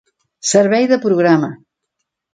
Servei de Programa.